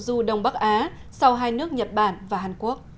du đông bắc á sau hai nước nhật bản và hàn quốc